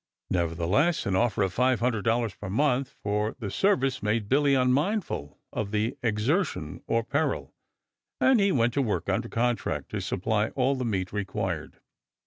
Nevertheless, an offer of $500 per month for the service made Billy unmindful of the exertion or peril, and he went to work under contract to supply all the meat required.